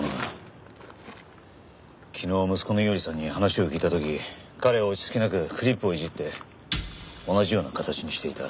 昨日息子の伊織さんに話を聞いた時彼は落ち着きなくクリップをいじって同じような形にしていた。